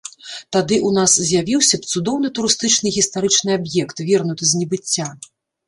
Тады ў нас з'явіўся б цудоўны турыстычны і гістарычны аб'ект, вернуты з небыцця.